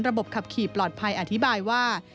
ขับขี่ปลอดภัยอธิบายว่า